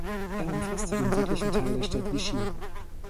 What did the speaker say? Er umfasste den südlichen Teil der Stadt Vichy.